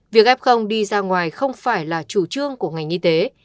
việc f đi ra ngoài không phải là chủ trương của ngành y tế